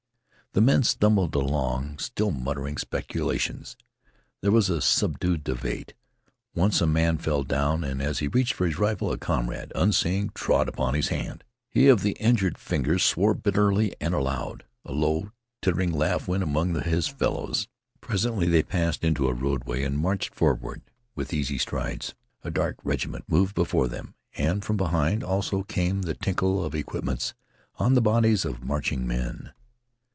The men stumbled along still muttering speculations. There was a subdued debate. Once a man fell down, and as he reached for his rifle a comrade, unseeing, trod upon his hand. He of the injured fingers swore bitterly and aloud. A low, tittering laugh went among his fellows. Presently they passed into a roadway and marched forward with easy strides. A dark regiment moved before them, and from behind also came the tinkle of equipments on the bodies of marching men.